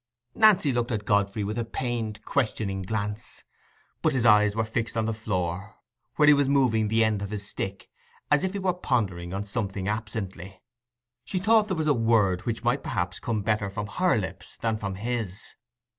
Nancy looked at Godfrey with a pained questioning glance. But his eyes were fixed on the floor, where he was moving the end of his stick, as if he were pondering on something absently. She thought there was a word which might perhaps come better from her lips than from his.